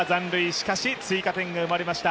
しかし追加点が生まれました。